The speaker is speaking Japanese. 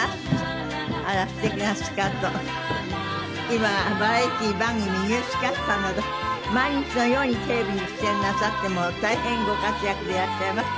今はバラエティー番組ニュースキャスターなど毎日のようにテレビに出演なさってもう大変ご活躍でいらっしゃいます。